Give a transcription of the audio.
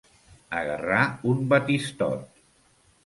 Agarrar un batistot.